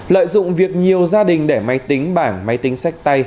lợi dụng việc nhiều gia đình để máy tính bảng máy tính sách tay